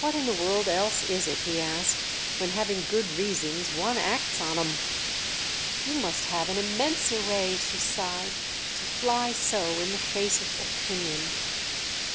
"What in the world else is it," he asked, "when, having good reasons, one acts on 'em?" "You must have an immense array," she sighed, "to fly so in the face of Opinion!"